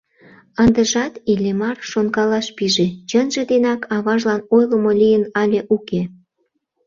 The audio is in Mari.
Ындыжат Иллимар шонкалаш пиже: чынже денак аважлан ойлымо лийын але уке.